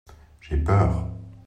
J’ai peur.